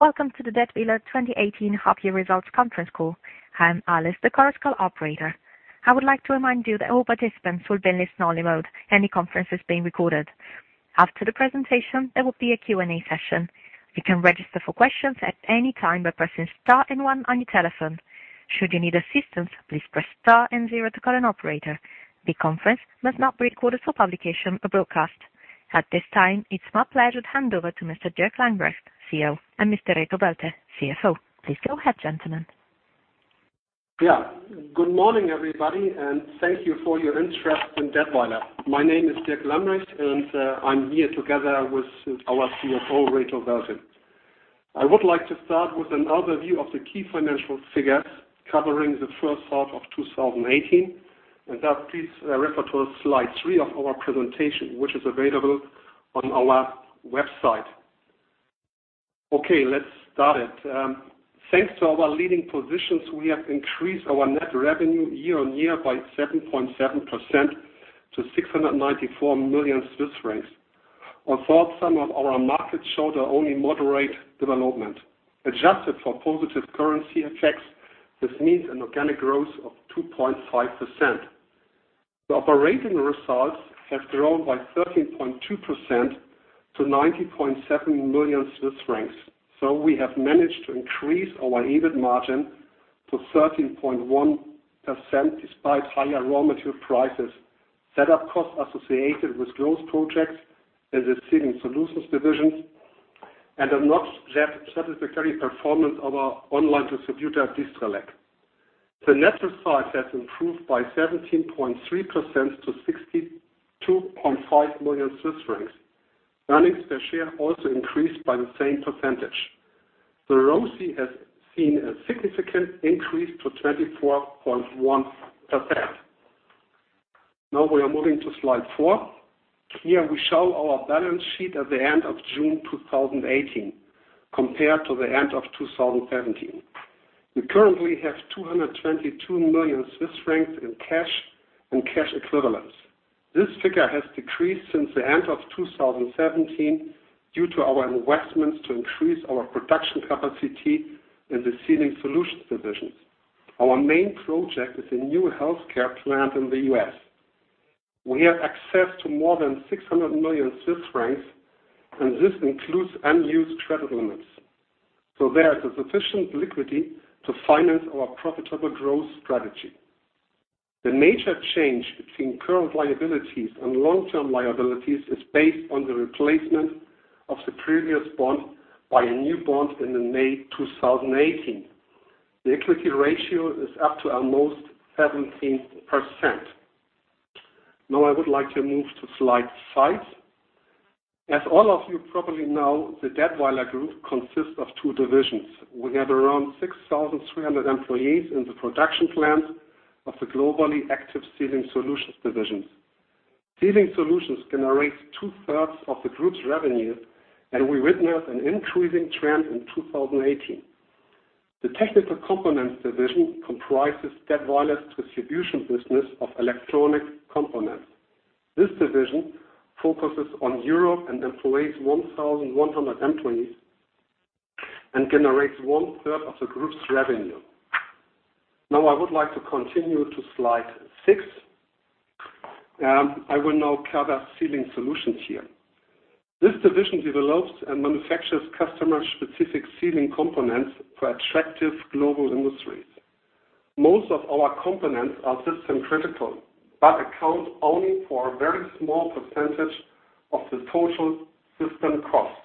Welcome to the Dätwyler 2018 half-year results conference call. I am Alice, the conference call operator. I would like to remind you that all participants will be in listen-only mode, and the conference is being recorded. After the presentation, there will be a Q&A session. You can register for questions at any time by pressing star and one on your telephone. Should you need assistance, please press star and zero to get an operator. The conference must not be recorded for publication or broadcast. At this time, it's my pleasure to hand over to Mr. Dirk Lambrecht, CEO, and Mr. Reto Welte, CFO. Please go ahead, gentlemen. Good morning, everybody, and thank you for your interest in Dätwyler. My name is Dirk Lambrecht, and I'm here together with our CFO, Reto Welte. I would like to start with an overview of the key financial figures covering the first half of 2018. Please refer to slide three of our presentation, which is available on our website. Let's start it. Thanks to our leading positions, we have increased our net revenue year-over-year by 7.7% to 694 million Swiss francs. Although some of our markets showed only moderate development. Adjusted for positive currency effects, this means an organic growth of 2.5%. The operating results have grown by 13.2% to 90.7 million Swiss francs. We have managed to increase our EBIT margin to 13.1% despite higher raw material prices, set-up costs associated with growth projects in the Sealing Solutions division, and a not yet satisfactory performance of our online distributor, Distrelec. The net result has improved by 17.3% to 62.5 million Swiss francs. Earnings per share also increased by the same percentage. The ROCE has seen a significant increase to 24.1%. We are moving to slide four. Here we show our balance sheet at the end of June 2018 compared to the end of 2017. We currently have 222 million Swiss francs in cash and cash equivalents. This figure has decreased since the end of 2017 due to our investments to increase our production capacity in the Sealing Solutions division. Our main project is a new healthcare plant in the U.S. We have access to more than 600 million Swiss francs. This includes unused credit limits. There is sufficient liquidity to finance our profitable growth strategy. The major change between current liabilities and long-term liabilities is based on the replacement of the previous bond by a new bond in May 2018. The equity ratio is up to almost 17%. I would like to move to slide five. As all of you probably know, the Dätwyler Group consists of two divisions. We have around 6,300 employees in the production plants of the globally active Sealing Solutions divisions. Sealing Solutions generates two-thirds of the group's revenue. We witnessed an increasing trend in 2018. The Technical Components division comprises Dätwyler's distribution business of electronic components. This division focuses on Europe and employs 1,100 employees and generates one-third of the group's revenue. I would like to continue to slide six. I will now cover Sealing Solutions here. This division develops and manufactures customer-specific sealing components for attractive global industries. Most of our components are system-critical but account only for a very small percentage of the total system cost.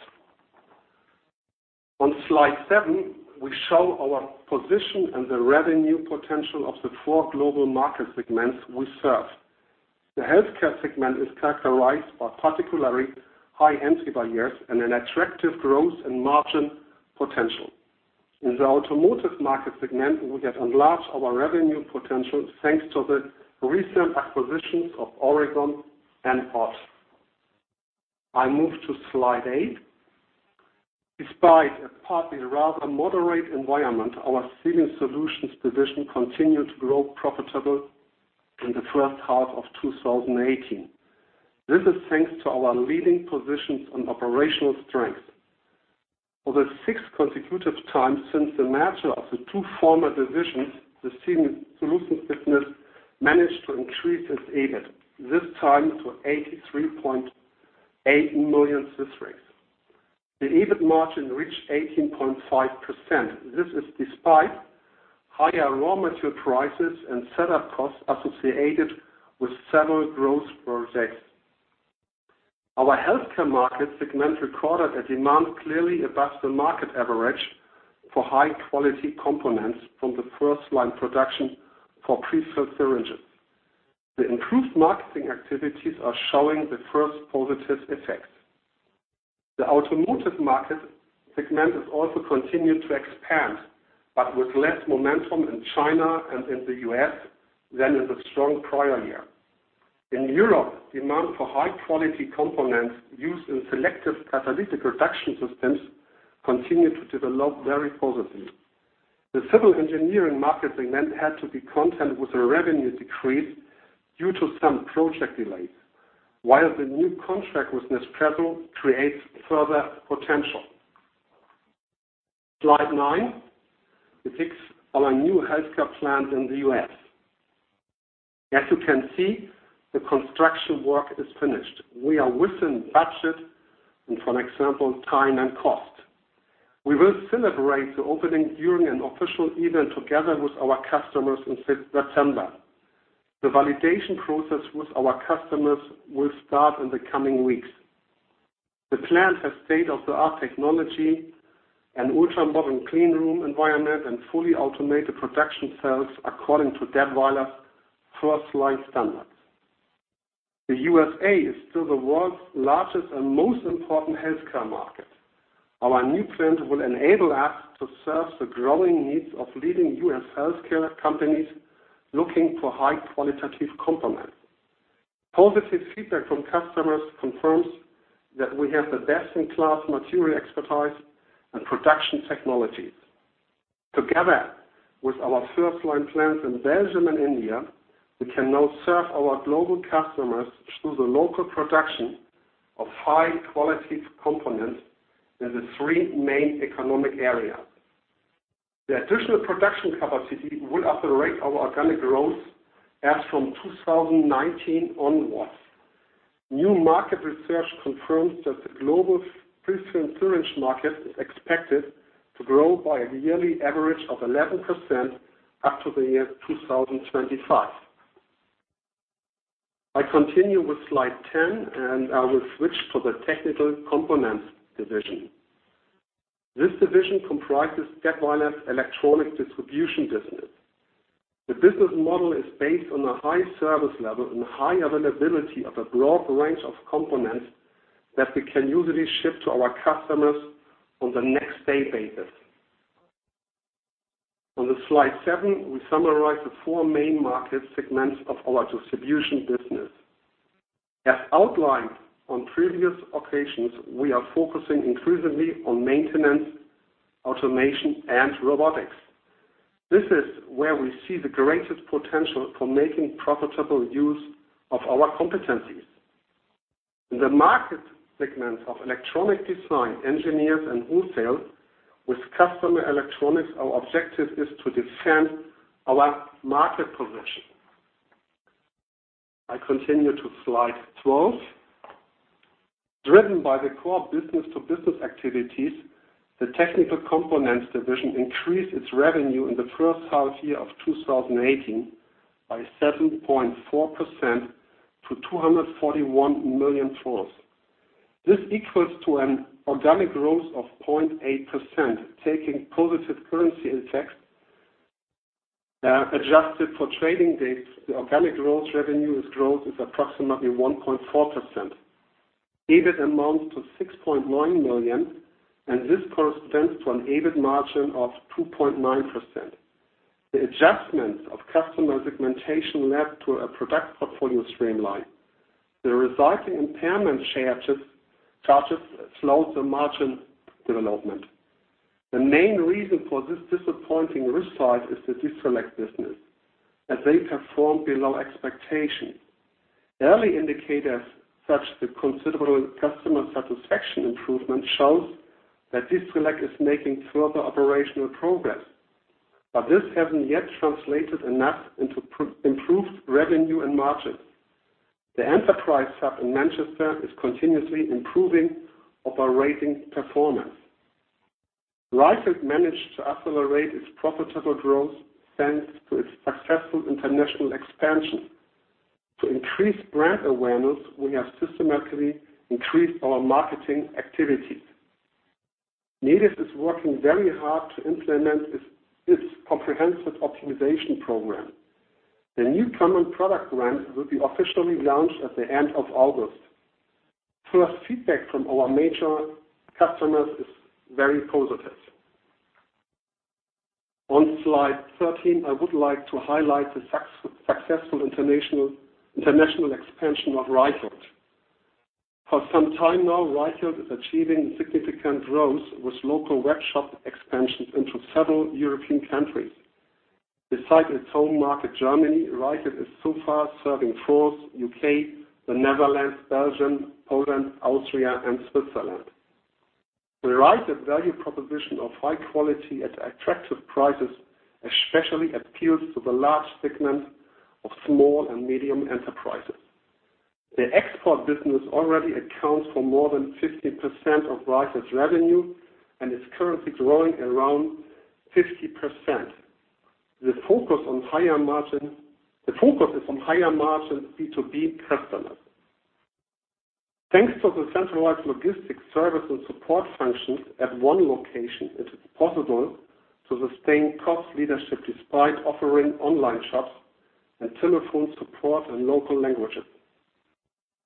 On slide seven, we show our position and the revenue potential of the four global market segments we serve. The healthcare segment is characterized by particularly high entry barriers and an attractive growth and margin potential. In the automotive market segment, we have enlarged our revenue potential thanks to the recent acquisitions of Origom and Ott. I move to slide eight. Despite a partly rather moderate environment, our Sealing Solutions division continued to grow profitably in the first half of 2018. This is thanks to our leading positions and operational strength. For the sixth consecutive time since the merger of the two former divisions, the Sealing Solutions business managed to increase its EBIT, this time to 83.8 million Swiss francs. The EBIT margin reached 18.5%. This is despite higher raw material prices and set-up costs associated with several growth projects. Our healthcare market segment recorded a demand clearly above the market average for high-quality components from the FirstLine production for prefilled syringes. The improved marketing activities are showing the first positive effects. The automotive market segment has also continued to expand, but with less momentum in China and in the U.S. than in the strong prior year. In Europe, demand for high-quality components used in selective catalytic reduction systems continued to develop very positively. The civil engineering market segment had to be content with a revenue decrease due to some project delays, while the new contract with Nespresso creates further potential. Slide nine depicts our new healthcare plant in the U.S. As you can see, the construction work is finished. We are within budget and for example, time and cost. We will celebrate the opening during an official event together with our customers in September. The validation process with our customers will start in the coming weeks. The plant has state-of-the-art technology, an ultra-modern clean room environment, and fully automated production cells according to Dätwyler FirstLine standards. The USA is still the world's largest and most important healthcare market. Our new plant will enable us to serve the growing needs of leading U.S. healthcare companies looking for high qualitative components. Positive feedback from customers confirms that we have the best-in-class material expertise and production technologies. Together with our FirstLine plants in Belgium and India, we can now serve our global customers through the local production of high-quality components in the three main economic areas. The additional production capacity will accelerate our organic growth as from 2019 onwards. New market research confirms that the global prefilled syringe market is expected to grow by a yearly average of 11% up to the year 2025. I continue with slide 10, I will switch to the Technical Components division. This division comprises Dätwyler's electronic distribution business. The business model is based on a high service level and high availability of a broad range of components that we can usually ship to our customers on the next day basis. On the slide seven, we summarize the four main market segments of our distribution business. As outlined on previous occasions, we are focusing increasingly on maintenance, automation, and robotics. This is where we see the greatest potential for making profitable use of our competencies. In the market segments of electronic design, engineers, and wholesale with customer electronics, our objective is to defend our market position. I continue to slide 12. Driven by the core business-to-business activities, the Technical Components division increased its revenue in the first half year of 2018 by 7.4% to 241 million. This equals to an organic growth of 0.8%, taking positive currency effects. Adjusted for trading days, the organic growth revenue's growth is approximately 1.4%. EBIT amounts to 6.9 million, and this corresponds to an EBIT margin of 2.9%. The adjustments of customer segmentation led to a product portfolio streamline. The resulting impairment charges slowed the margin development. The main reason for this disappointing result is the Distrelec business, as they performed below expectations. Early indicators, such the considerable customer satisfaction improvement, shows that Distrelec is making further operational progress, but this hasn't yet translated enough into improved revenue and margins. The Enterprise Hub in Manchester is continuously improving operating performance. Reichelt managed to accelerate its profitable growth, thanks to its successful international expansion. To increase brand awareness, we have systematically increased our marketing activities. Nedis is working very hard to implement its comprehensive optimization program. The new common product brand will be officially launched at the end of August. First feedback from our major customers is very positive. On slide 13, I would like to highlight the successful international expansion of Reichelt. For some time now, Reichelt is achieving significant growth with local webshop expansions into several European countries. Besides its home market, Germany, Reichelt is so far serving France, U.K., the Netherlands, Belgium, Poland, Austria, and Switzerland. The Reichelt value proposition of high quality at attractive prices especially appeals to the large segment of small and medium enterprises. The export business already accounts for more than 50% of Reichelt's revenue and is currently growing around 50%. The focus is on higher margin B2B customers. Thanks to the centralized logistics service and support functions at one location, it is possible to sustain cost leadership despite offering online shops and telephone support in local languages.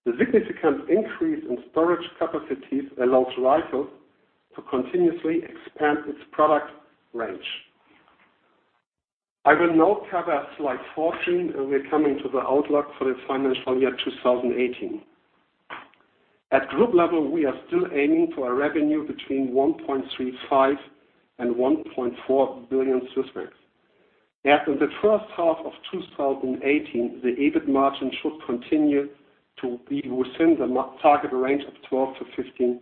The significant increase in storage capacities allows Reichelt to continuously expand its product range. I will now cover slide 14, and we're coming to the outlook for the financial year 2018. At group level, we are still aiming for a revenue between 1.35 billion and 1.4 billion Swiss francs. As in the first half of 2018, the EBIT margin should continue to be within the target range of 12%-15%.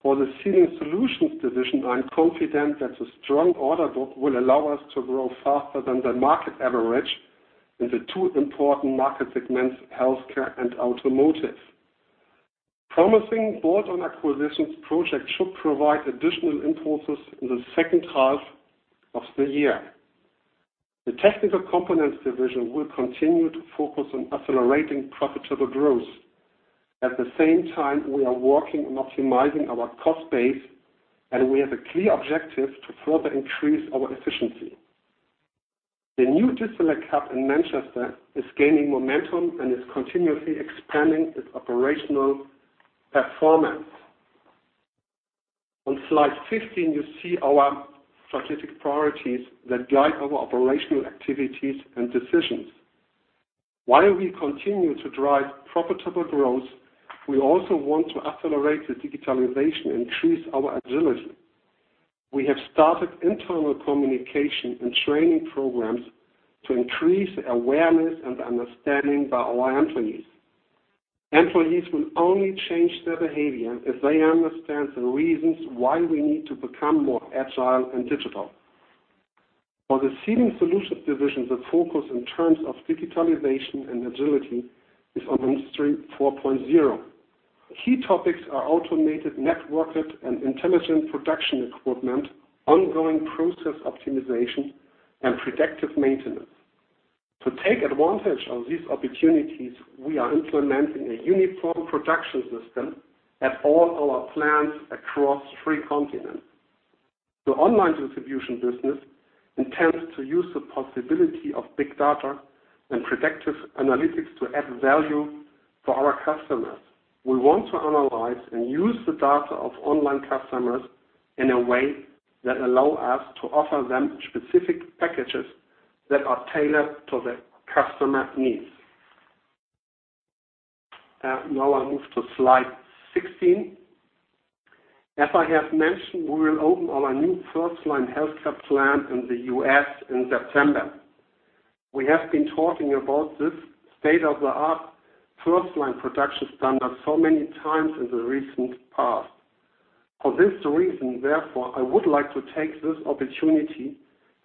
For the Sealing Solutions division, I am confident that the strong order book will allow us to grow faster than the market average in the two important market segments, healthcare and automotive. Promising bolt-on acquisitions projects should provide additional impulses in the second half of the year. The Technical Components division will continue to focus on accelerating profitable growth. At the same time, we are working on optimizing our cost base, and we have a clear objective to further increase our efficiency. The new Distrelec hub in Manchester is gaining momentum and is continuously expanding its operational performance. On slide 15, you see our strategic priorities that guide our operational activities and decisions. While we continue to drive profitable growth, we also want to accelerate the digitalization and increase our agility. We have started internal communication and training programs to increase awareness and understanding by our employees. Employees will only change their behavior if they understand the reasons why we need to become more agile and digital. For the Sealing Solutions division, the focus in terms of digitalization and agility is on Industry 4.0. Key topics are automated, networked, and intelligent production equipment, ongoing process optimization, and predictive maintenance. To take advantage of these opportunities, we are implementing a uniform production system at all our plants across three continents. The online distribution business intends to use the possibility of big data and predictive analytics to add value for our customers. We want to analyze and use the data of online customers in a way that allow us to offer them specific packages that are tailored to the customer needs. I move to slide 16. As I have mentioned, we will open our new FirstLine healthcare plant in the U.S. in September. We have been talking about this state-of-the-art FirstLine production standard so many times in the recent past. For this reason, therefore, I would like to take this opportunity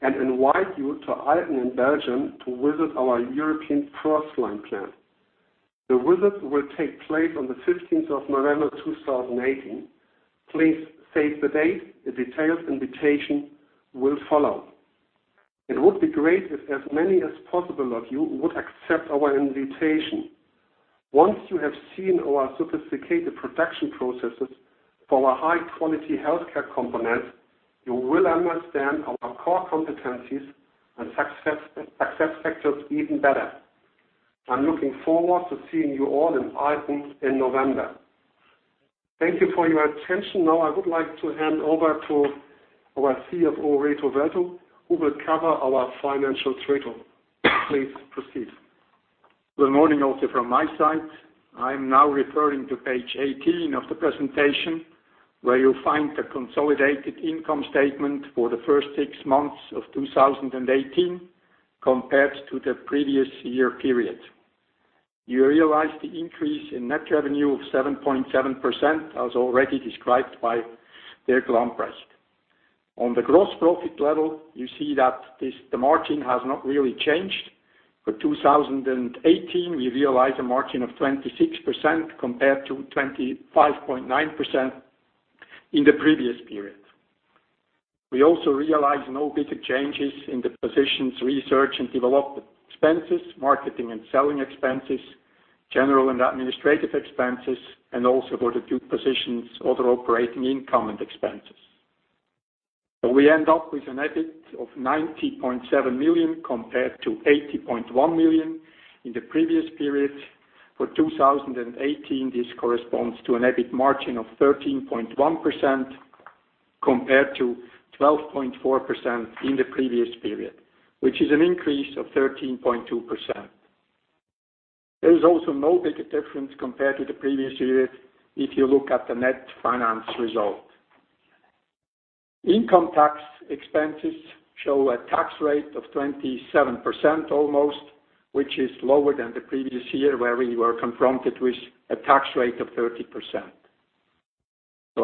and invite you to Aartselaar, Belgium, to visit our European FirstLine plant. The visit will take place on the 15th of November 2018. Please save the date. A detailed invitation will follow. It would be great if as many as possible of you would accept our invitation. Once you have seen our sophisticated production processes for our high-quality healthcare components, you will understand our core competencies and success factors even better. I am looking forward to seeing you all in Aartselaar in November. Thank you for your attention. I would like to hand over to our CFO, Reto Welte, who will cover our financial cradle. Please proceed. Good morning also from my side. I am now referring to page 18 of the presentation, where you will find the consolidated income statement for the first six months of 2018 compared to the previous year period. You realize the increase in net revenue of 7.7%, as already described by Dirk Lambrecht. On the gross profit level, you see that the margin has not really changed. For 2018, we realized a margin of 26% compared to 25.9% in the previous period. We also realized no bigger changes in the positions research and development expenses, marketing and selling expenses, general and administrative expenses, and also for the two positions, other operating income and expenses. We end up with an EBIT of 90.7 million compared to 80.1 million in the previous period. For 2018, this corresponds to an EBIT margin of 13.1% compared to 12.4% in the previous period, which is an increase of 13.2%. There is also no bigger difference compared to the previous year if you look at the net finance result. Income tax expenses show a tax rate of 27% almost, which is lower than the previous year where we were confronted with a tax rate of 30%.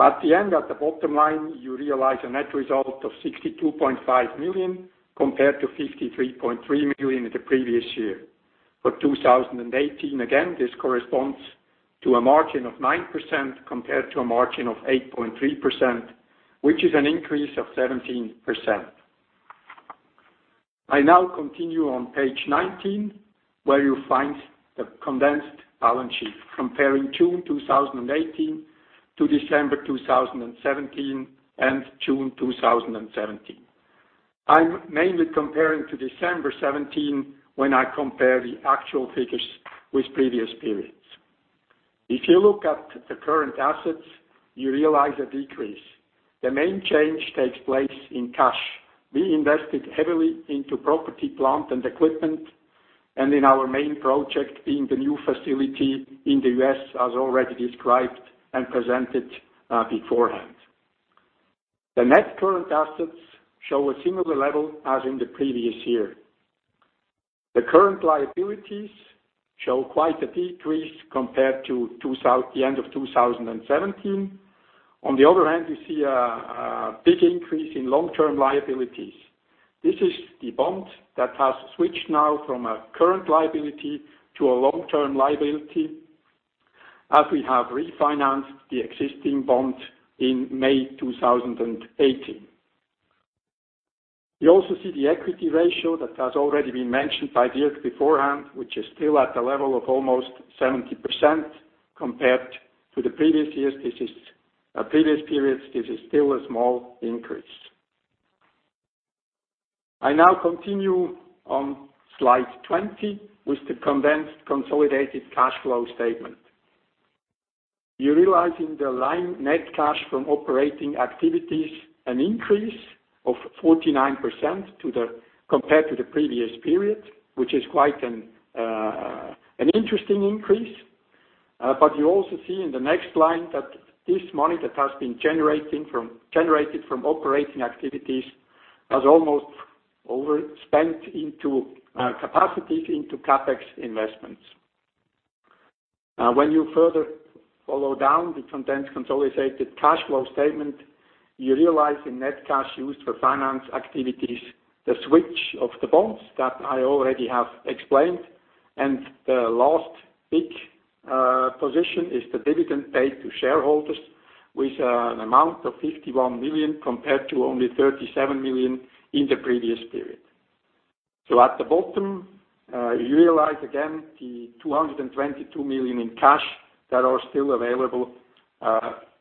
At the end, at the bottom line, you realize a net result of 62.5 million compared to 53.3 million in the previous year. For 2018, again, this corresponds to a margin of 9% compared to a margin of 8.3%, which is an increase of 17%. I now continue on page 19, where you find the condensed balance sheet comparing June 2018 to December 2017 and June 2017. I'm mainly comparing to December 2017 when I compare the actual figures with previous periods. If you look at the current assets, you realize a decrease. The main change takes place in cash. We invested heavily into property, plant, and equipment and in our main project in the new facility in the U.S., as already described and presented beforehand. The net current assets show a similar level as in the previous year. The current liabilities show quite a decrease compared to the end of 2017. On the other hand, we see a big increase in long-term liabilities. This is the bond that has switched now from a current liability to a long-term liability, as we have refinanced the existing bond in May 2018. You also see the equity ratio that has already been mentioned by Dirk beforehand, which is still at the level of almost 70% compared to the previous periods. This is still a small increase. I now continue on slide 20 with the condensed consolidated cash flow statement. You realize in the line net cash from operating activities an increase of 49% compared to the previous period, which is quite an interesting increase. You also see in the next line that this money that has been generated from operating activities was almost overspent into capacities, into CapEx investments. When you further follow down the condensed consolidated cash flow statement, you realize in net cash used for finance activities, the switch of the bonds that I already have explained, and the last big position is the dividend paid to shareholders with an amount of 51 million compared to only 37 million in the previous period. At the bottom, you realize again the 222 million in cash that are still available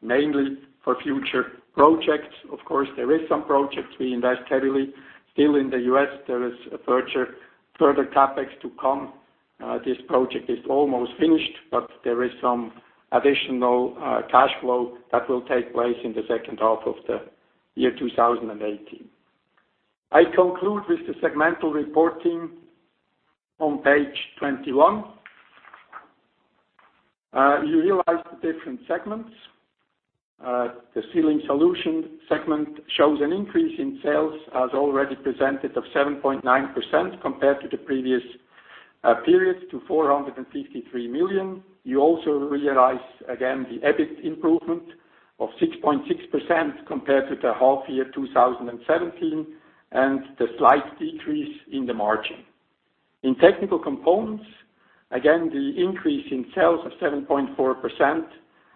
mainly for future projects. Of course, there is some projects we invest heavily. Still in the U.S., there is further CapEx to come. This project is almost finished, but there is some additional cash flow that will take place in the second half of the year 2018. I conclude with the segmental reporting on page 21. You realize the different segments. The Sealing Solutions segment shows an increase in sales as already presented of 7.9% compared to the previous period to 453 million. You also realize again the EBIT improvement of 6.6% compared to the half year 2017 and the slight decrease in the margin. In Technical Components, again, the increase in sales of 7.4%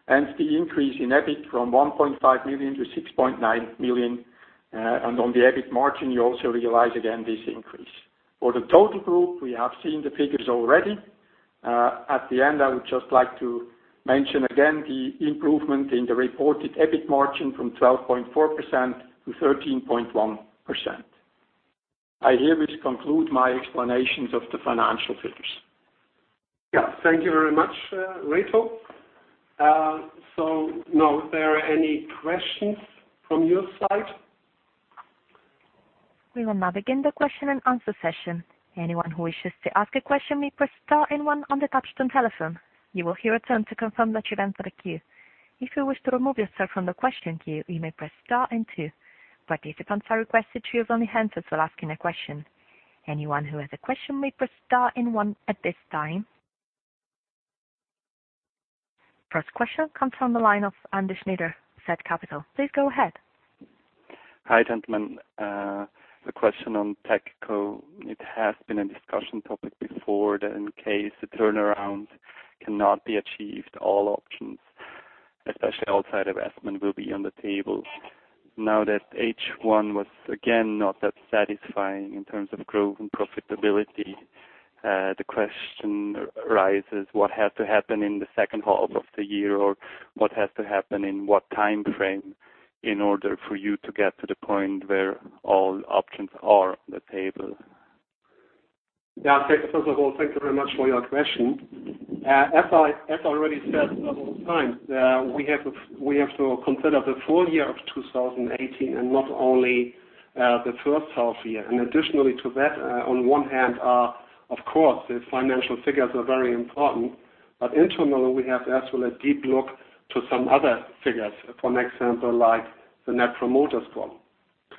and the increase in EBIT from 1.5 million to 6.9 million. On the EBIT margin, you also realize again this increase. For the total group, we have seen the figures already. At the end, I would just like to mention again the improvement in the reported EBIT margin from 12.4% to 13.1%. I hereby conclude my explanations of the financial figures. Yeah. Thank you very much, Reto. Now are there any questions from your side? We will now begin the question and answer session. Anyone who wishes to ask a question may press star and one on the touchtone telephone. You will hear a tone to confirm that you've entered a queue. If you wish to remove yourself from the question queue, you may press star and two. Participants are requested to use only answers when asking a question. Anyone who has a question may press star and one at this time. First question comes from the line of Andy Schneider, Said Capital. Please go ahead. Hi, gentlemen. The question on TeCo. It has been a discussion topic before that in case the turnaround cannot be achieved, all options, especially outside of [Assmann], will be on the table. Now that H1 was again not that satisfying in terms of growth and profitability the question arises, what has to happen in the second half of the year, or what has to happen in what time frame in order for you to get to the point where all options are on the table? Yeah, first of all, thank you very much for your question. As I already said several times, we have to consider the full year of 2018 and not only the first half year. Additionally to that, on one hand, of course, the financial figures are very important, but internally, we have as well a deep look to some other figures. For example, like the Net Promoter Score,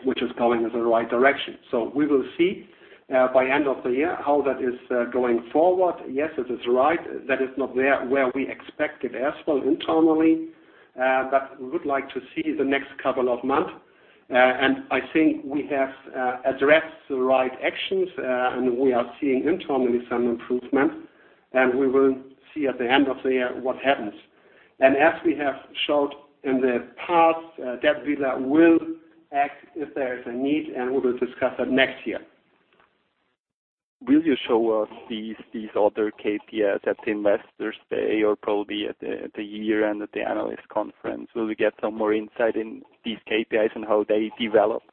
which is going in the right direction. We will see by end of the year how that is going forward. Yes, it is right. That is not where we expected as well internally, but we would like to see the next couple of months. I think we have addressed the right actions, and we are seeing internally some improvement, and we will see at the end of the year what happens. As we have showed in the past, Dätwyler will act if there is a need, and we will discuss that next year. Will you show us these other KPIs at the investors day or probably at the year-end at the analyst conference? Will we get some more insight in these KPIs and how they develop?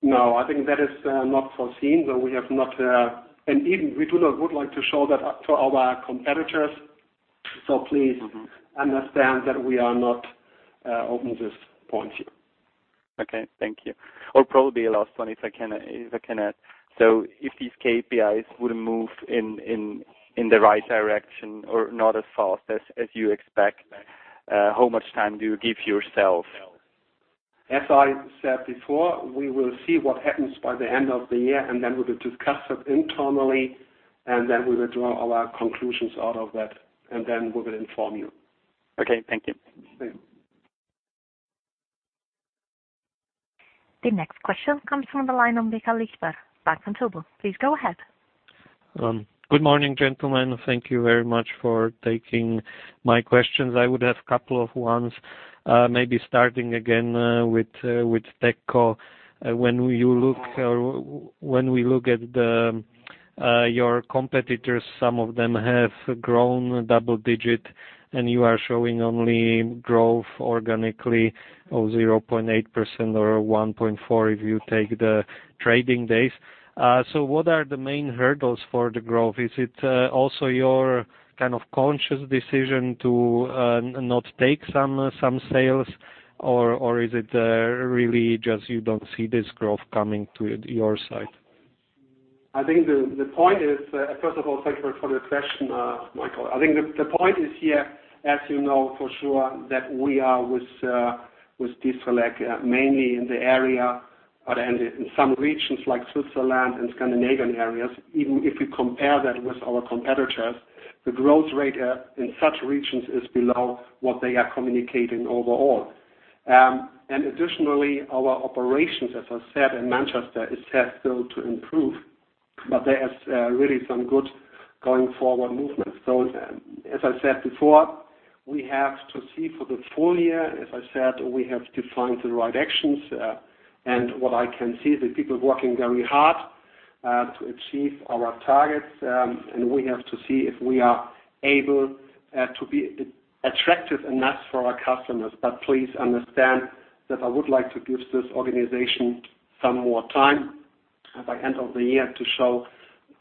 No, I think that is not foreseen. Even we would not like to show that to our competitors. Please understand that we are not opening this point here. Okay. Thank you. Probably a last one, if I can add. If these KPIs wouldn't move in the right direction or not as fast as you expect, how much time do you give yourself? As I said before, we will see what happens by the end of the year, then we will discuss it internally, then we will draw our conclusions out of that, then we will inform you. Okay. Thank you. Yeah. The next question comes from the line of Michael Lichter, Bank Vontobel. Please go ahead. Good morning, gentlemen. Thank you very much for taking my questions. I would have couple of ones. Maybe starting again with TeCo. When we look at your competitors, some of them have grown double-digit, and you are showing only growth organically of 0.8% or 1.4% if you take the trading days. What are the main hurdles for the growth? Is it also your conscious decision to not take some sales or is it really just you don't see this growth coming to your side? First of all, thank you for the question, Michael. I think the point is here, as you know for sure, that we are with Distrelec mainly in the area and in some regions like Switzerland and Scandinavian areas. Even if you compare that with our competitors, the growth rate in such regions is below what they are communicating overall. Additionally, our operations, as I said, in Manchester, is still to improve, but there is really some good going forward movement. As I said before, we have to see for the full year. As I said, we have to find the right actions. What I can see is the people working very hard to achieve our targets. We have to see if we are able to be attractive enough for our customers. Please understand that I would like to give this organization some more time by end of the year to show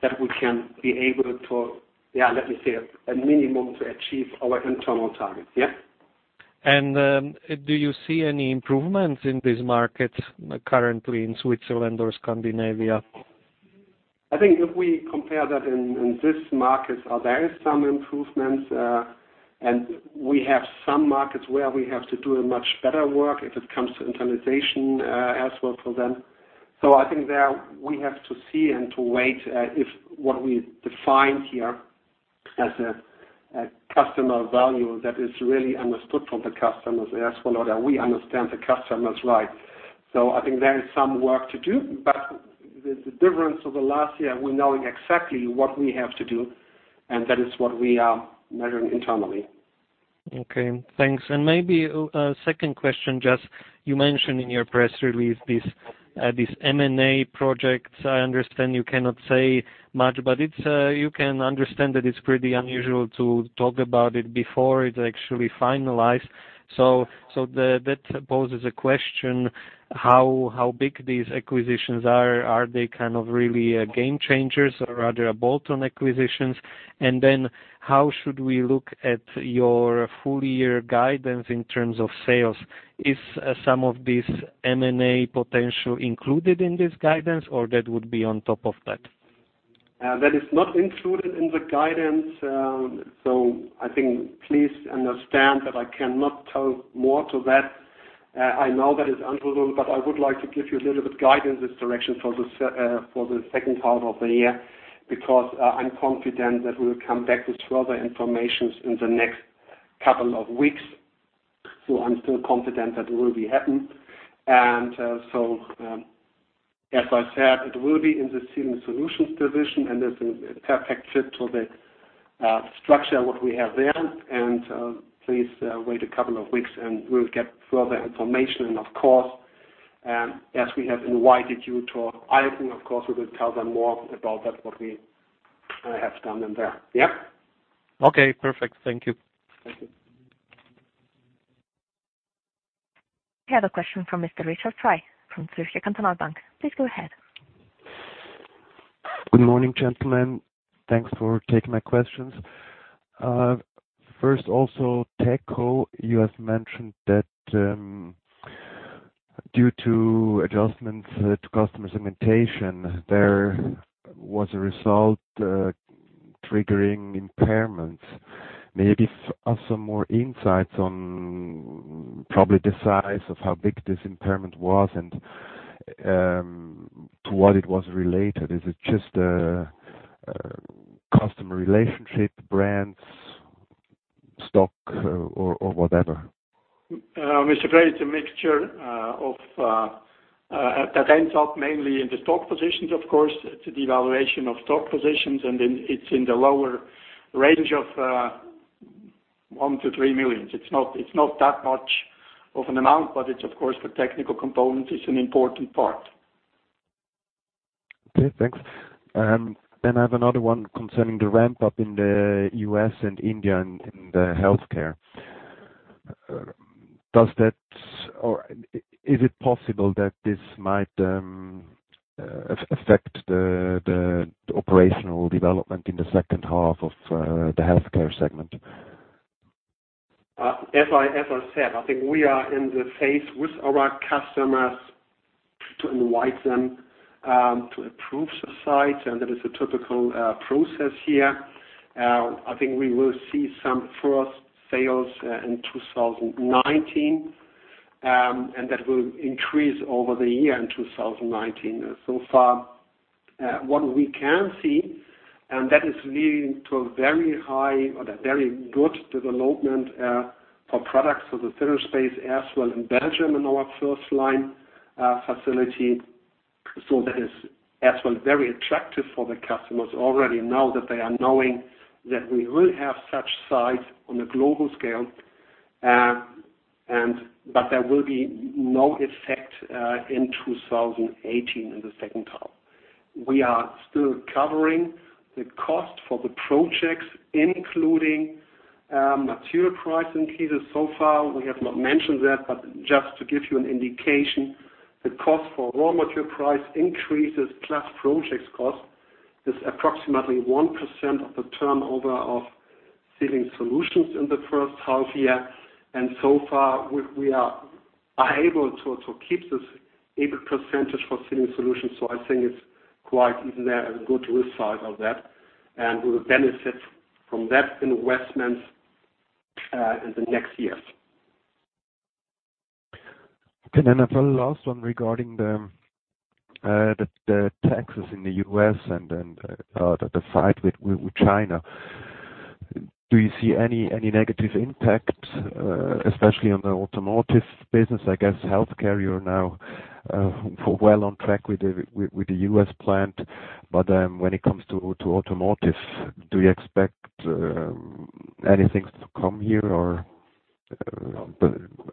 that we can be able to, let me say, at minimum to achieve our internal targets. Do you see any improvements in these markets currently in Switzerland or Scandinavia? I think if we compare that in these markets, there is some improvements. We have some markets where we have to do a much better work if it comes to internalization as well for them. I think there we have to see and to wait if what we define here as a customer value that is really understood from the customers as well, or that we understand the customers right. I think there is some work to do, but the difference over last year, we knowing exactly what we have to do, and that is what we are measuring internally. Okay. Thanks. Maybe a second question, just you mentioned in your press release these M&A projects. I understand you cannot say much, but you can understand that it's pretty unusual to talk about it before it's actually finalized. That poses a question, how big these acquisitions are. Are they really game changers or are they a bolt-on acquisitions? How should we look at your full year guidance in terms of sales? Is some of these M&A potential included in this guidance or that would be on top of that? That is not included in the guidance. I think please understand that I cannot talk more to that. I know that it's unusual, but I would like to give you a little bit guidance this direction for the second part of the year, because I'm confident that we will come back with further informations in the next couple of weeks. I'm still confident that it will be happen. As I said, it will be in the Sealing Solutions division, and it's a perfect fit to the structure what we have there. Please wait a couple of weeks and we'll get further information. Of course, as we have, [inaudible] of course, we will tell them more about that, what we have done in there. Yeah. Okay, perfect. Thank you. Thank you. We have a question from Mr. Richard Frei from Zürcher Kantonalbank. Please go ahead. Good morning, gentlemen. Thanks for taking my questions. Also, TeCo, you have mentioned that due to adjustments to customer segmentation, there was a result triggering impairments. Maybe also more insights on probably the size of how big this impairment was and to what it was related. Is it just a customer relationship, brands, stock or whatever? Mr. Frei, it's a mixture that ends up mainly in the stock positions, of course. It's a devaluation of stock positions, it's in the lower range of 1 million-3 million. It's not that much of an amount, but it's, of course, the Technical Components is an important part. Okay, thanks. I have another one concerning the ramp-up in the U.S. and India in the healthcare. Is it possible that this might affect the operational development in the second half of the healthcare segment? As I said, I think we are in the phase with our customers to invite them to approve the site, and that is a typical process here. I think we will see some first sales in 2019, and that will increase over the year in 2019. So far, what we can see, and that is leading to a very good development for products for the filler space as well in Belgium in our FirstLine facility. That is as well very attractive for the customers already now that they are knowing that we will have such site on a global scale, but there will be no effect in 2018 in the second half. We are still covering the cost for the projects, including material price increases. So far, we have not mentioned that, but just to give you an indication, the cost for raw material price increases plus projects cost is approximately 1% of the turnover of Sealing Solutions in the first half year. We are able to keep this EBIT percentage for Sealing Solutions. I think it's quite even there and good to the side of that, and we will benefit from that investment in the next years. Okay. I have a last one regarding the taxes in the U.S. and the fight with China. Do you see any negative impact, especially on the automotive business? I guess healthcare, you're now well on track with the U.S. plant. When it comes to automotive, do you expect anything to come here, or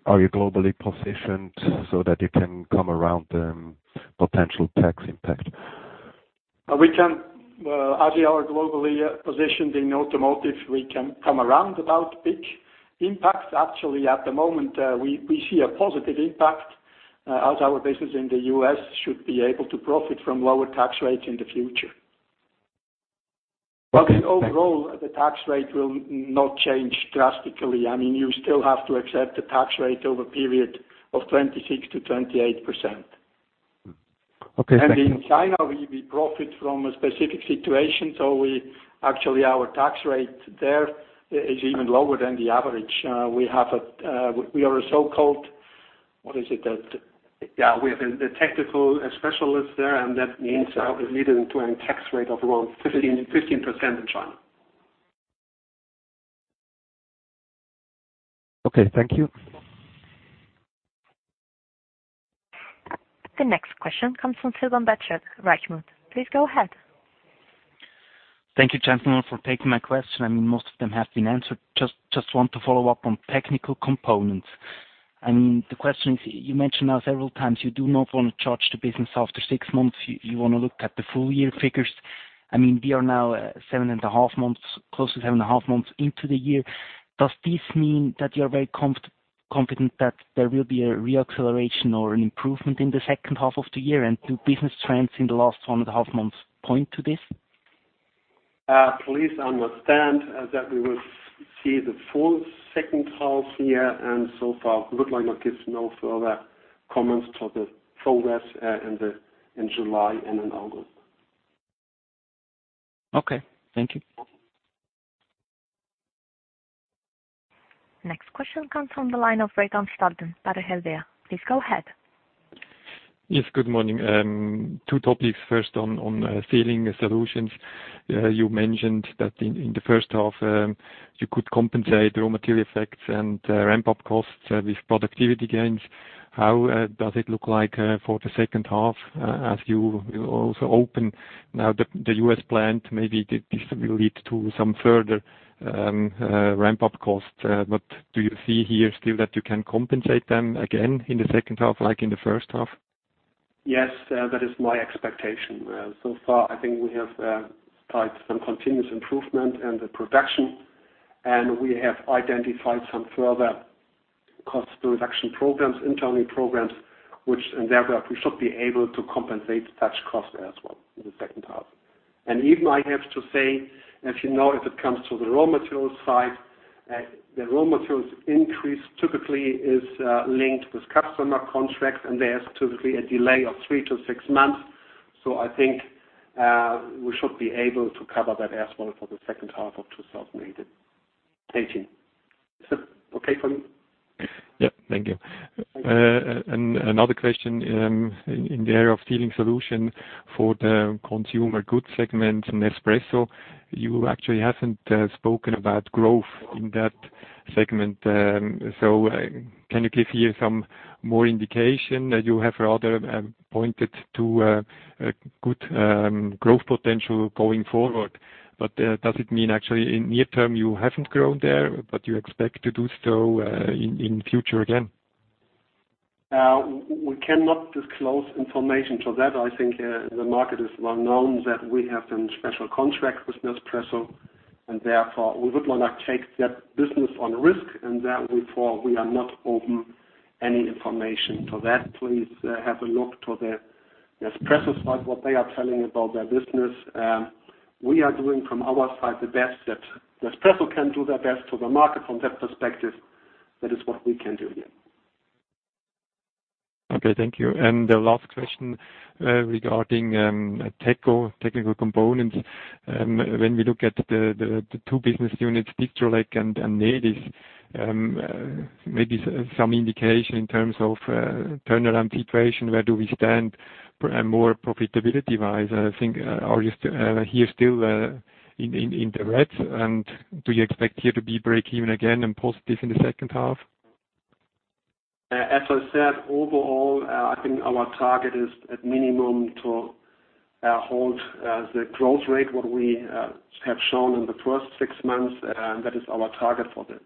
are you globally positioned so that you can come around potential tax impact? As we are globally positioned in automotive, we can come around about big impacts. Actually, at the moment, we see a positive impact as our business in the U.S. should be able to profit from lower tax rates in the future. Okay. Overall, the tax rate will not change drastically. You still have to accept a tax rate over a period of 26%-28%. Okay. Thank you. In China, we profit from a specific situation. Actually, our tax rate there is even lower than the average. We are a so-called. Yeah. We have the technical specialists there, that means that we're leading to a tax rate of around 15% in China. Okay. Thank you. The next question comes from Silvan Betschart, Reichmuth & Co. Please go ahead. Thank you, gentlemen, for taking my question. Most of them have been answered. Just want to follow up on Technical Components. The question is, you mentioned now several times you do not want to judge the business after six months. You want to look at the full-year figures. We are now seven and a half months, close to seven and a half months into the year. Does this mean that you are very confident that there will be a re-acceleration or an improvement in the second half of the year? Do business trends in the last one and a half months point to this? Please understand that we will see the full second half year, and so far, we would like to give no further comments to the progress in July and in August. Okay. Thank you. Next question comes from the line of Rayan Starden, Baader Helvea. Please go ahead. Yes, good morning. Two topics. First, on Sealing Solutions. You mentioned that in the first half, you could compensate raw material effects and ramp-up costs with productivity gains. How does it look like for the second half as you also open now the U.S. plant? Maybe this will lead to some further ramp-up costs. Do you see here still that you can compensate them again in the second half like in the first half? Yes, that is my expectation. So far, I think we have tied some continuous improvement in the production, and we have identified some further cost reduction programs, internal programs, which in thereof, we should be able to compensate such costs as well in the second half. Even I have to say, as you know, if it comes to the raw materials side, the raw materials increase typically is linked with customer contracts, and there's typically a delay of three to six months. I think we should be able to cover that as well for the second half of 2018. Is that okay for you? Yeah. Thank you. Thank you. Another question in the area of Sealing Solutions for the consumer goods segment and Nespresso. You actually haven't spoken about growth in that segment. Can you give here some more indication? You have rather pointed to a good growth potential going forward. Does it mean actually in near term, you haven't grown there, but you expect to do so in future again? We cannot disclose information to that. I think the market is well known that we have some special contracts with Nespresso. Therefore, we would not take that business on risk. Therefore, we are not open any information to that. Please have a look to the Nespresso site, what they are telling about their business. We are doing from our side the best that Nespresso can do their best to the market from that perspective, that is what we can do here. Okay. Thank you. The last question regarding TeCo, Technical Components. When we look at the two business units, Distrelec and Nedis, maybe some indication in terms of turnaround situation, where do we stand more profitability-wise? I think are you here still in the red, and do you expect here to be break even again and positive in the second half? As I said, overall, I think our target is at minimum to hold the growth rate, what we have shown in the first 6 months, that is our target for the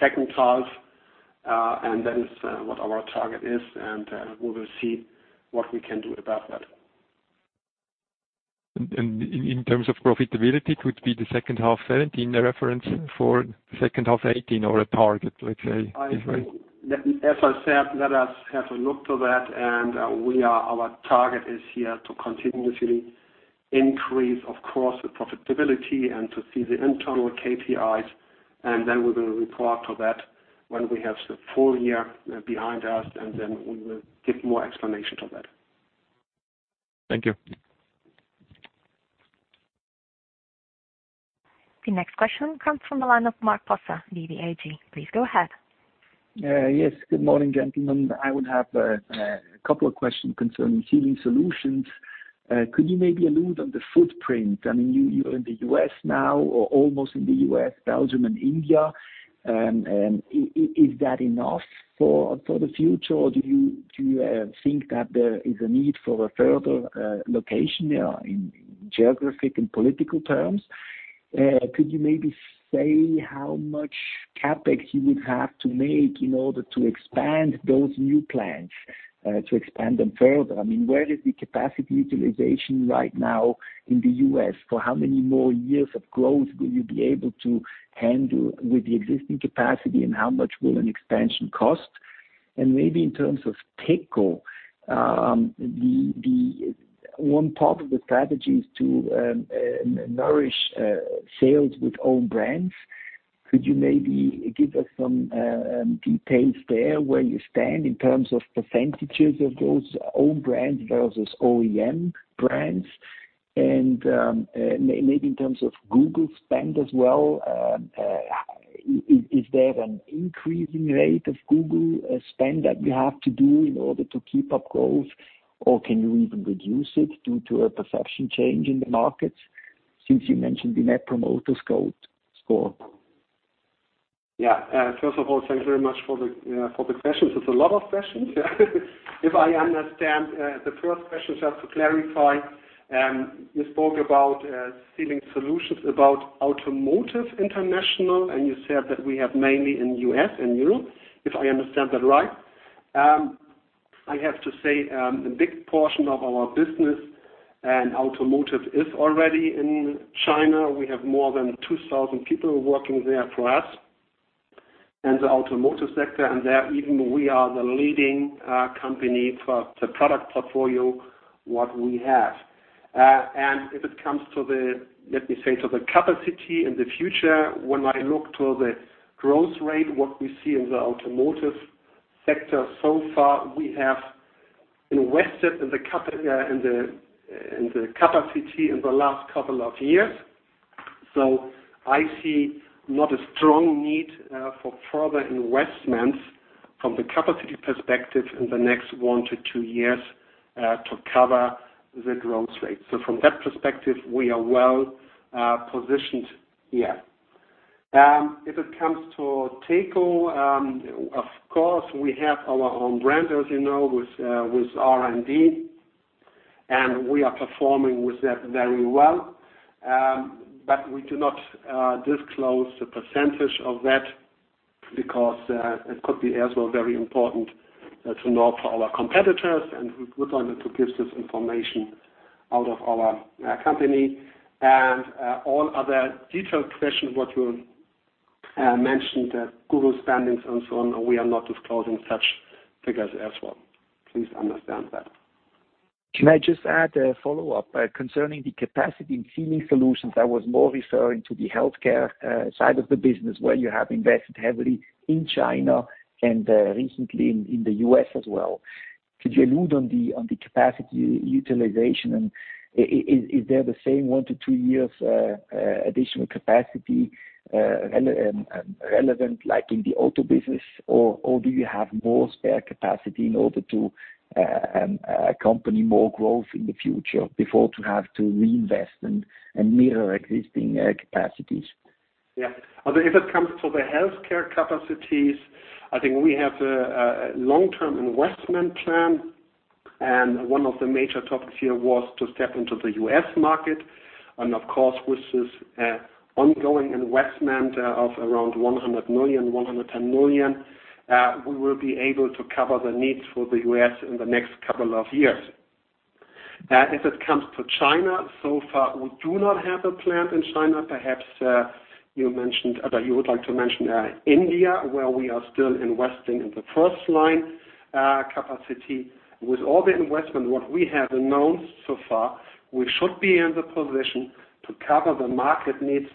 second half. That is what our target is, and we will see what we can do about that. In terms of profitability, could it be the second half 2017, the reference for the second half 2018 or a target, let's say, this way? As I said, let us have a look to that. Our target is here to continuously increase, of course, the profitability and to see the internal KPIs. Then we will report to that when we have the full year behind us. Then we will give more explanation to that. Thank you. The next question comes from the line of Markus Bossa, DBAG. Please go ahead. Yes. Good morning, gentlemen. I would have a couple of questions concerning Sealing Solutions. Could you maybe allude on the footprint? I mean, you are in the U.S. now or almost in the U.S., Belgium, and India. Is that enough for the future, or do you think that there is a need for a further location in geographic and political terms? Could you maybe say how much CapEx you would have to make in order to expand those new plants, to expand them further? I mean, where is the capacity utilization right now in the U.S.? For how many more years of growth will you be able to handle with the existing capacity, and how much will an expansion cost? And maybe in terms of TeCo. One part of the strategy is to nourish sales with own brands. Could you maybe give us some details there where you stand in terms of percentages of those own brands versus OEM brands? Maybe in terms of Google spend as well, is there an increasing rate of Google spend that you have to do in order to keep up growth? Or can you even reduce it due to a perception change in the market since you mentioned the Net Promoter Score? First of all, thank you very much for the questions. It's a lot of questions. If I understand the first question, just to clarify, you spoke about Sealing Solutions, about Automotive International, and you said that we have mainly in the U.S. and Europe, if I understand that right. I have to say, a big portion of our business and automotive is already in China. We have more than 2,000 people working there for us in the automotive sector, and there even we are the leading company for the product portfolio, what we have. If it comes to the, let me say, to the capacity in the future, when I look to the growth rate, what we see in the automotive sector so far, we have invested in the capacity in the last couple of years. I see not a strong need for further investments from the capacity perspective in the next one to two years to cover the growth rate. From that perspective, we are well-positioned here. If it comes to TeCo, of course, we have our own brand, as you know, with R&D, and we are performing with that very well. We do not disclose the percentage of that because it could be as well very important to know for our competitors, and we wouldn't want to give this information out of our company. All other detailed questions what you mentioned, the Google spendings and so on, we are not disclosing such figures as well. Please understand that. Can I just add a follow-up? Concerning the capacity in Sealing Solutions, I was more referring to the healthcare side of the business, where you have invested heavily in China and recently in the U.S. as well. Could you allude on the capacity utilization? Is there the same one to two years additional capacity relevant like in the auto business, or do you have more spare capacity in order to accompany more growth in the future before to have to reinvest and mirror existing capacities? If it comes to the healthcare capacities, I think we have a long-term investment plan. One of the major topics here was to step into the U.S. market. Of course, with this ongoing investment of around 100 million, 110 million, we will be able to cover the needs for the U.S. in the next couple of years. If it comes to China, so far, we do not have a plant in China. Perhaps, you would like to mention India, where we are still investing in the FirstLine capacity. With all the investment, what we have announced so far, we should be in the position to cover the market needs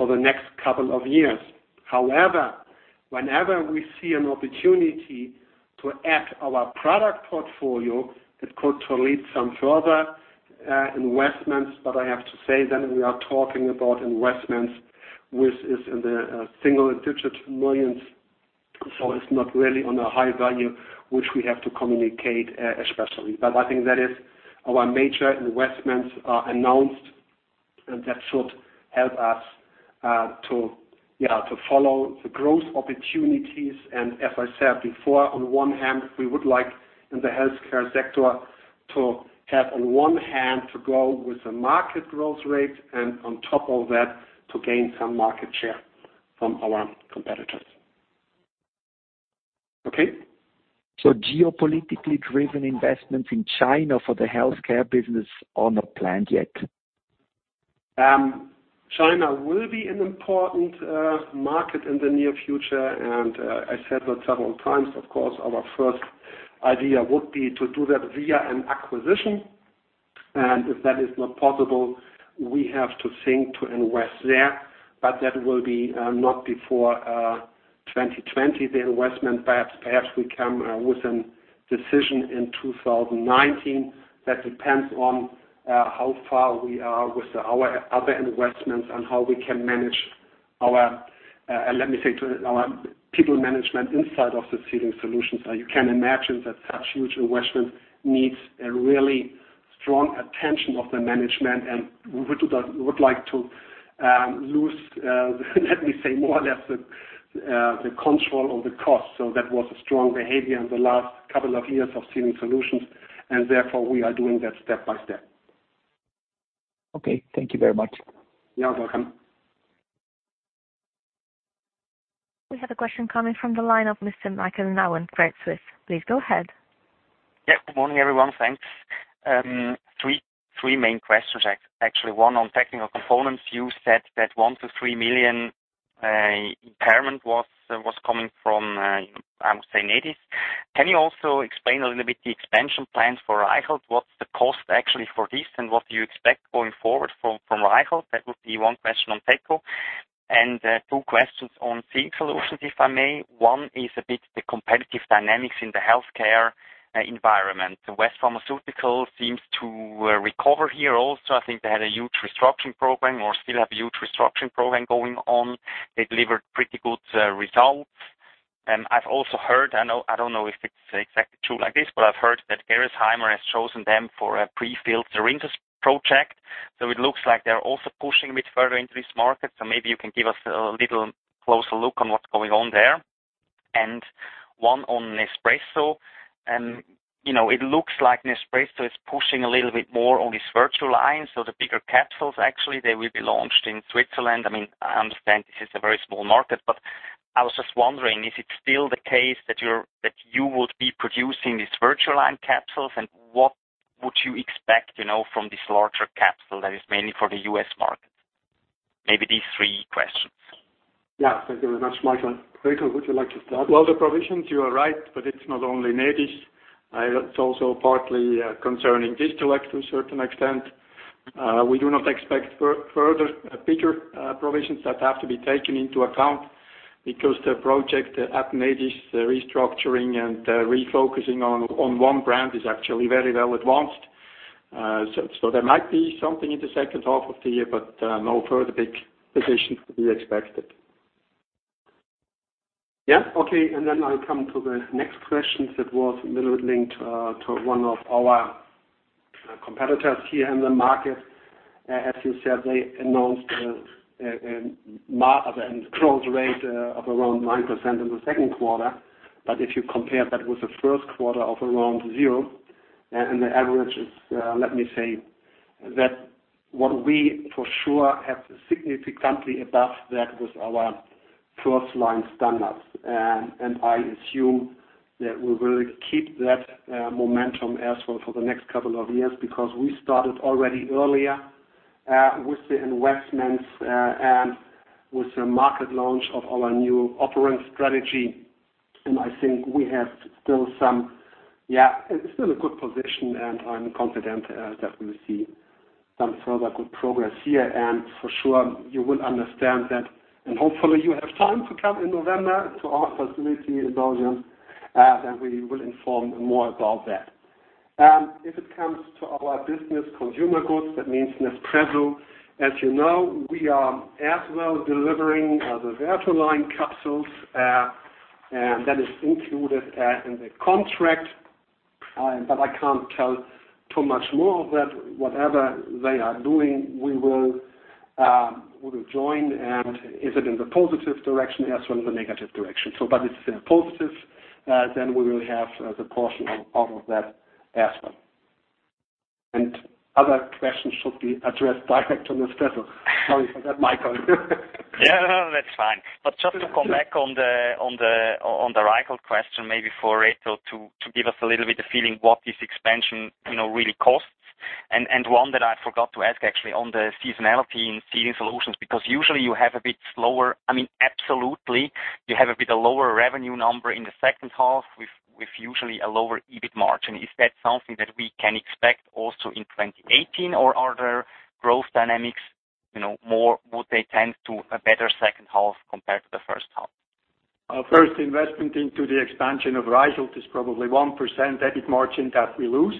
for the next couple of years. However, whenever we see an opportunity to add our product portfolio, it could lead some further investments. I have to say we are talking about investments which is in the CHF single-digit millions, it's not really on a high value, which we have to communicate, especially. I think that is our major investments are announced, and that should help us to follow the growth opportunities. As I said before, on one hand, we would like in the healthcare sector to have on one hand, to grow with the market growth rate and on top of that, to gain some market share from our competitors. Okay. Geopolitically driven investments in China for the healthcare business are not planned yet? China will be an important market in the near future. I said that several times. Of course, our first idea would be to do that via an acquisition. If that is not possible, we have to think to invest there. That will be not before 2020, the investment. Perhaps we come with a decision in 2019. That depends on how far we are with our other investments and how we can manage our Let me say to our people management inside of the Sealing Solutions. You can imagine that such huge investment needs a really strong attention of the management and we would like to lose, let me say more or less the control of the cost. That was a strong behavior in the last couple of years of Sealing Solutions, therefore we are doing that step by step. Okay. Thank you very much. You are welcome. We have a question coming from the line of Mr. Michael Heider, Credit Suisse. Please go ahead. Good morning, everyone. Thanks. Three main questions, actually. One on Technical Components. You said that 1 million-3 million impairment was coming from, I would say, Nedis. Can you also explain a little bit the expansion plans for Reichelt? What's the cost actually for this, and what do you expect going forward from TeCo? That would be one question on TeCo. Two questions on Sealing Solutions, if I may. One is a bit the competitive dynamics in the healthcare environment. West Pharmaceutical seems to recover here also. I think they had a huge restructuring program or still have a huge restructuring program going on. They delivered pretty good results. I don't know if it's exactly true like this, but I've heard that Gerresheimer has chosen them for a prefilled syringes project. It looks like they're also pushing a bit further into this market. Maybe you can give us a little closer look on what's going on there. One on Nespresso. It looks like Nespresso is pushing a little bit more on this Vertuo line. The bigger capsules, actually, they will be launched in Switzerland. I understand this is a very small market, but I was just wondering, is it still the case that you would be producing these Vertuo line capsules, and what would you expect from this larger capsule that is mainly for the U.S. market? Maybe these three questions. Thank you very much, Michael. Reto, would you like to start? Well, the provisions, you are right, but it is not only Nedis. It is also partly concerning Distrelec to a certain extent. We do not expect further bigger provisions that have to be taken into account because the project at Nedis, the restructuring and refocusing on one brand is actually very well advanced. There might be something in the second half of the year, but no further big provisions to be expected. I come to the next question that was a little bit linked to one of our competitors here in the market. As you said, they announced a growth rate of around 9% in the second quarter. If you compare that with the first quarter of around zero, the average is, let me say that what we for sure have significantly above that with our FirstLine startups. I assume that we will keep that momentum as well for the next couple of years because we started already earlier, with the investments, and with the market launch of our new operating strategy. I think we have still a good position, and I am confident that we will see some further good progress here. For sure, you will understand that. Hopefully you have time to come in November to our facility in Belgium, and we will inform more about that. If it comes to our business consumer goods, that means Nespresso. As you know, we are as well delivering the Vertuo line capsules, and that is included in the contract. I can't tell too much more of that. Whatever they are doing, we will join and is it in the positive direction as well in the negative direction? If it is in a positive, then we will have the portion of that as well. Other questions should be addressed direct to Mr. Sorry for that, Michael. No, that's fine. Just to come back on the Reichelt question, maybe for Reto to give us a little bit of feeling what this expansion really costs. One that I forgot to ask actually on the seasonality in Sealing Solutions, because usually you have a bit lower revenue number in the second half with usually a lower EBIT margin. Is that something that we can expect also in 2018, or are there growth dynamics, would they tend to a better second half compared to the first half? First investment into the expansion of Reichelt is probably 1% EBIT margin that we lose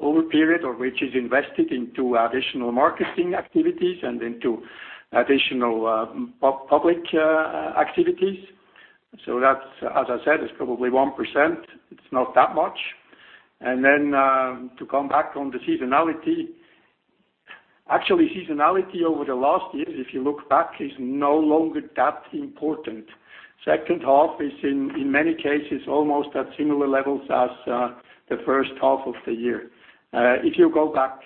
over a period of which is invested into additional marketing activities and into additional public activities. That, as I said, is probably 1%. It's not that much. Then to come back on the seasonality. Actually, seasonality over the last years, if you look back, is no longer that important. Second half is in many cases almost at similar levels as the first half of the year. If you go back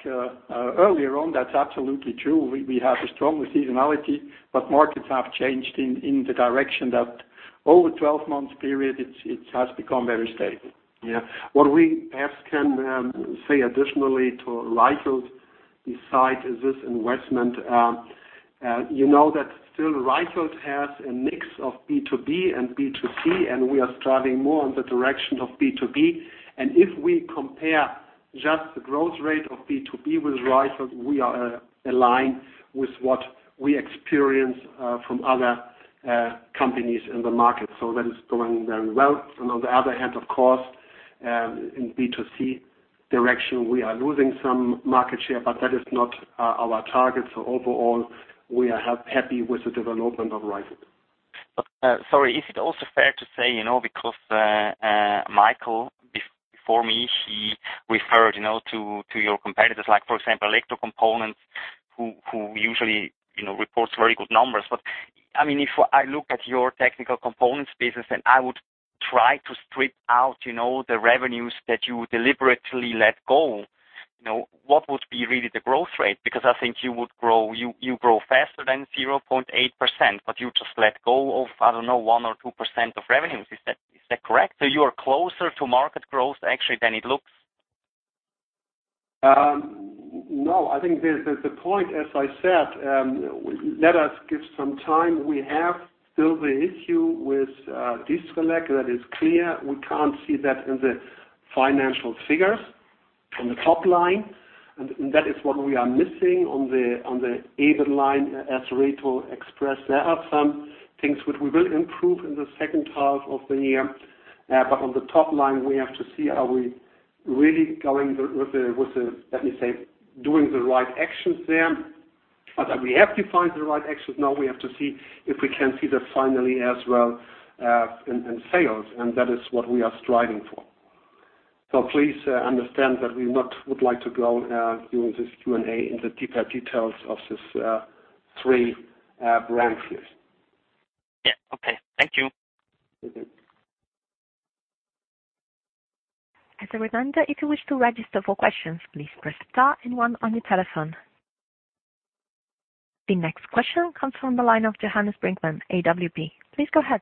earlier on, that's absolutely true. We have a strong seasonality, but markets have changed in the direction that over 12 months period, it has become very stable. Yeah. What we perhaps can say additionally to Reichelt beside is this investment. You know that still Reichelt has a mix of B2B and B2C, and we are striving more in the direction of B2B. If we compare just the growth rate of B2B with Reichelt, we are aligned with what we experience from other companies in the market. That is going very well. On the other hand, of course, in B2C direction, we are losing some market share, but that is not our target. Overall, we are happy with the development of Reichelt. Sorry, is it also fair to say, because, Michael, before me, he referred to your competitors, like for example, Electrocomponents, who usually reports very good numbers. If I look at your Technical Components business and I would try to strip out the revenues that you deliberately let go, what would be really the growth rate? Because I think you grow faster than 0.8%, but you just let go of, I don't know, 1% or 2% of revenues. Is that correct? You are closer to market growth actually than it looks? No, I think the point, as I said, let us give some time. We have still the issue with Distrelec, that is clear. We can't see that in the financial figures from the top line, and that is what we are missing on the EBIT line, as Reto expressed. There are some things which we will improve in the second half of the year. On the top line, we have to see, are we really doing the right actions there? That we have defined the right actions. Now we have to see if we can see that finally as well in sales, and that is what we are striving for. Please understand that we not would like to go during this Q&A in the deeper details of this three brand fields. Yeah. Okay. Thank you. As a reminder, if you wish to register for questions, please press star and one on your telephone. The next question comes from the line of Johannes Brinkmann, AWP. Please go ahead.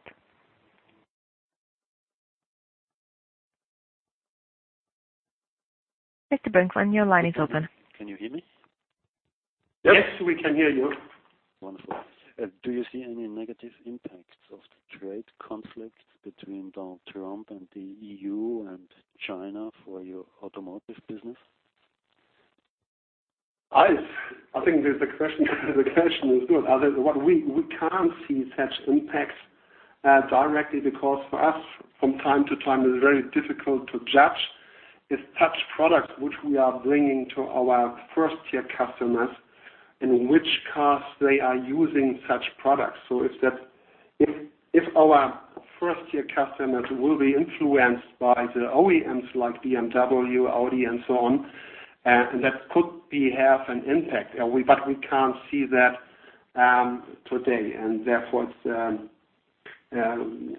Mr. Brinkmann, your line is open. Can you hear me? Yes, we can hear you. Wonderful. Do you see any negative impacts of the trade conflict between Donald Trump and the EU and China for your automotive business? I think the question is good. We can't see such impacts directly because for us, from time to time, it is very difficult to judge if such products which we are bringing to our 1st-tier customers and in which cars they are using such products. If our 1st-tier customers will be influenced by the OEMs like BMW, Audi, and so on, that could behave an impact. We can't see that today. Therefore it's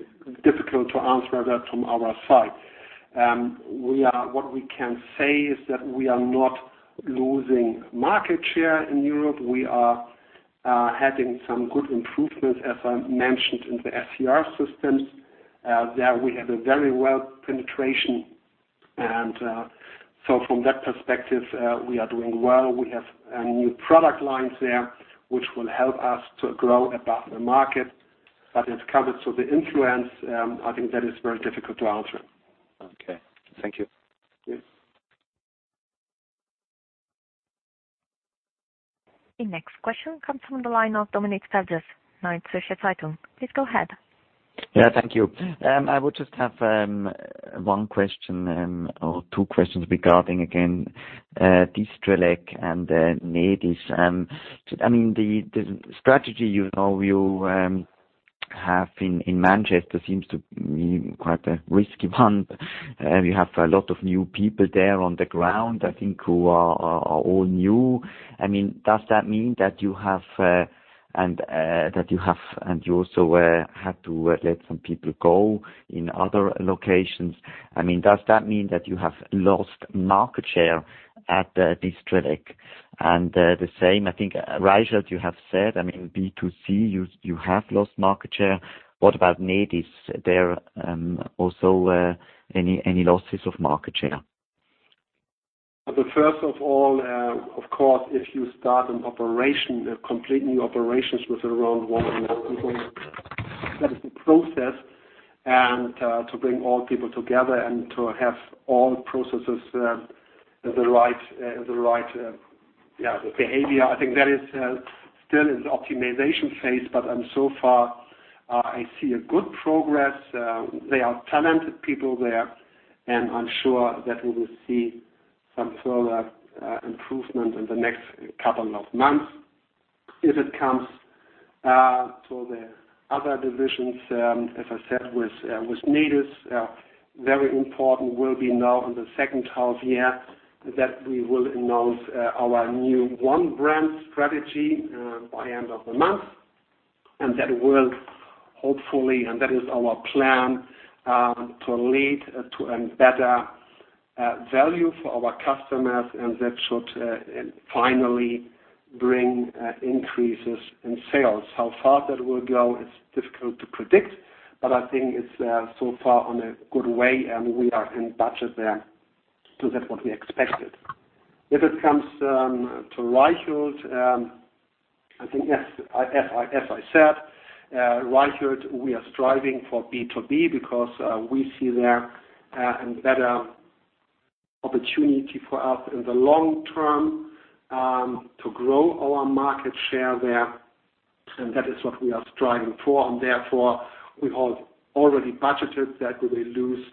difficult to answer that from our side. What we can say is that we are not losing market share in Europe. We are having some good improvements, as I mentioned in the SCR systems. There we have a very well penetration. From that perspective, we are doing well. We have new product lines there which will help us to grow above the market. As covered to the influence, I think that is very difficult to answer. Okay. Thank you. Yes. The next question comes from the line of Dominik Feldges, Neue Zürcher Zeitung. Please go ahead. Yeah, thank you. I would just have one question or two questions regarding, again, Distrelec and Nedis. The strategy, you have in Manchester seems to be quite a risky one. You have a lot of new people there on the ground, I think, who are all new. Does that mean that you also had to let some people go in other locations. Does that mean that you have lost market share at Distrelec? The same, I think, Reichelt, you have said, B2C, you have lost market share. What about Nedis? There, also any losses of market share? The first of all, of course, if you start a completely new operations with around 100 people, that is a process. To bring all people together and to have all processes the right behavior, I think that is still in optimization phase. So far I see a good progress. They are talented people there, and I'm sure that we will see some further improvement in the next couple of months. If it comes to the other divisions, as I said, with Nedis, very important will be now in the second half year that we will announce our new one brand strategy by end of the month. That will hopefully, and that is our plan, to lead to an better value for our customers, and that should finally bring increases in sales. How far that will go is difficult to predict, but I think it's so far on a good way, and we are in budget there to that what we expected. If it comes to Reichelt, I think, as I said, Reichelt, we are striving for B2B because we see there a better opportunity for us in the long term to grow our market share there. That is what we are striving for. Therefore, we have already budgeted that we will lose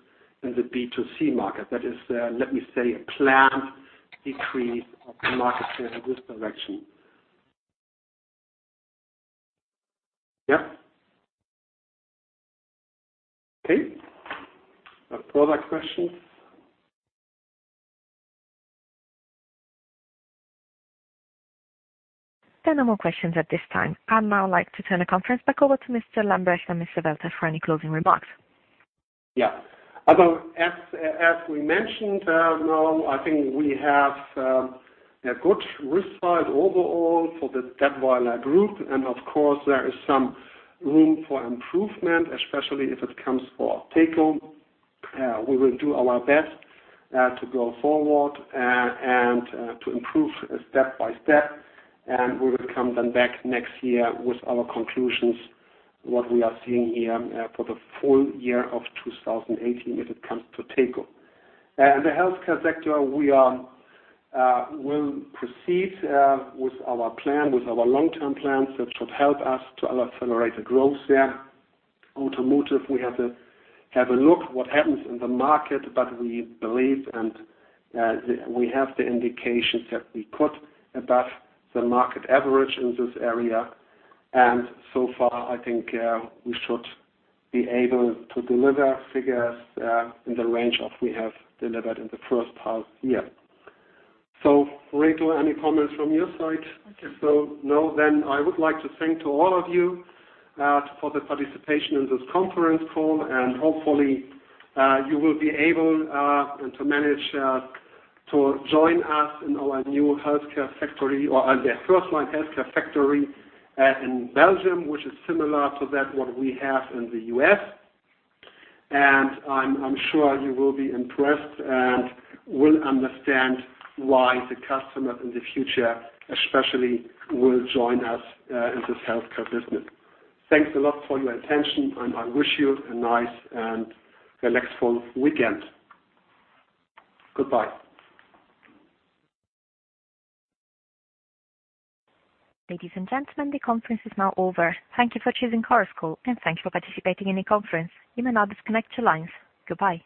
in the B2C market. That is, let me say, a planned decrease of the market share in this direction. Yeah. Okay. A product question. There are no more questions at this time. I'd now like to turn the conference back over to Mr. Lambrecht and Mr. Welte for any closing remarks. Yeah. Although, as we mentioned, now I think we have a good result overall for the Dätwyler Group. Of course, there is some room for improvement, especially if it comes for TeCo. We will do our best to go forward and to improve step by step. We will come then back next year with our conclusions, what we are seeing here for the full year of 2018 if it comes to TeCo. In the healthcare sector, we will proceed with our plan, with our long-term plans that should help us to accelerate the growth there. Automotive, we have to have a look what happens in the market, but we believe and we have the indications that we could above the market average in this area. So far, I think we should be able to deliver figures in the range of we have delivered in the first half year. Reto, any comments from your side? If so, no, I would like to thank to all of you for the participation in this conference call, and hopefully, you will be able and to manage to join us in our new healthcare factory or the first one, healthcare factory in Belgium, which is similar to that what we have in the U.S. I'm sure you will be impressed and will understand why the customers in the future especially will join us in this healthcare business. Thanks a lot for your attention, and I wish you a nice and a restful weekend. Goodbye. Ladies and gentlemen, the conference is now over. Thank you for choosing Chorus Call, and thank you for participating in the conference. You may now disconnect your lines. Goodbye